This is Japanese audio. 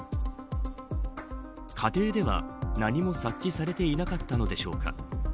家庭では何も察知されていなかったのでしょうか。